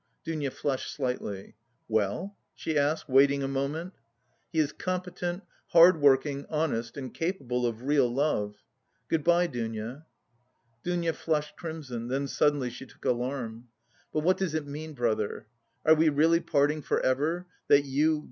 Dounia flushed slightly. "Well?" she asked, waiting a moment. "He is competent, hardworking, honest and capable of real love.... Good bye, Dounia." Dounia flushed crimson, then suddenly she took alarm. "But what does it mean, brother? Are we really parting for ever that you...